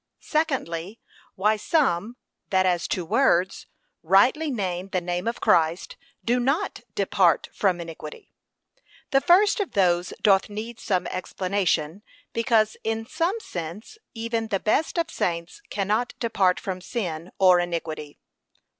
SECONDLY, Why some, that as to words, rightly name the name of Christ, do not 'depart from iniquity.' The first of those doth need some explanation, because in some sense even the best of saints cannot depart from sin, or iniquity.